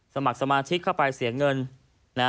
สมัครสมาชิกเข้าไปเสียเงินนะ